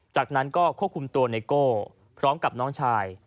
จากนั้นก็ควบคุมตัวไนโก้พร้อมกับน้องชาย